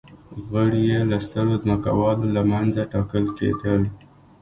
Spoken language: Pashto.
غړي یې له سترو ځمکوالو له منځه ټاکل کېدل